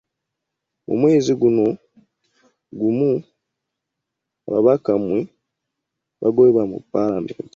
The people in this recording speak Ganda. Mu mwezi gwe gumu ababaka mwe baagobebwa mu paalamenti.